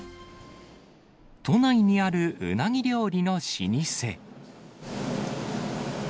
都内にあるうなぎ料理の老舗。